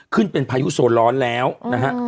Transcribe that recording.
ขึ้นเป็นพายุโซนร้อนแล้วนะฮะ